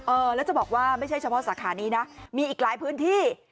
เออแล้วจะบอกว่าไม่ใช่เฉพาะสาขานี้นะมีอีกหลายพื้นที่